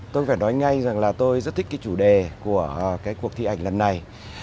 tôi phải nói ngay rằng là tôi rất thích cái chủ đề của cái cuộc thi ảnh lần này